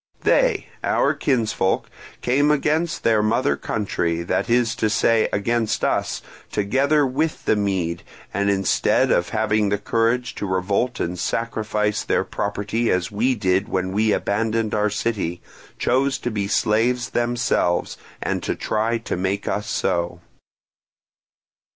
They, our kinsfolk, came against their mother country, that is to say against us, together with the Mede, and, instead of having the courage to revolt and sacrifice their property as we did when we abandoned our city, chose to be slaves themselves, and to try to make us so.